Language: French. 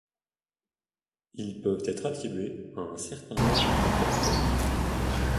Ils peuvent être attribués à un certain manque de réformes économiques.